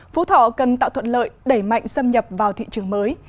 phú thọ cần tạo thuận lợi đẩy mạnh xâm nhập vào thị trường mới